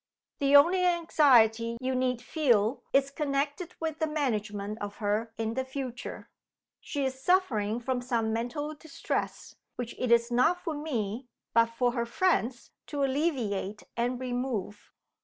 The only anxiety you need feel is connected with the management of her in the future. She is suffering from some mental distress, which it is not for me, but for her friends, to alleviate and remove.